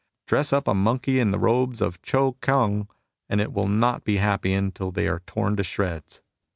" Dress up a monkey in the robes of Chou Kung/ and it will not be happy until they are torn to shreds.